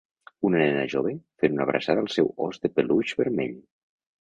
Una nena jove fent una abraçada al seu ós de peluix vermell.